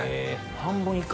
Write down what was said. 半分以下。